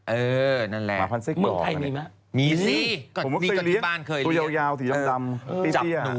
เออนั่นแหละมีไหมมั๊ยมีสิมีก็ที่บ้านเคยเลี้ยงตัวยาวถี่ดำ